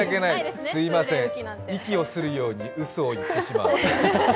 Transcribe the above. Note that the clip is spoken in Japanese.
息をするようにうそを言ってしまう。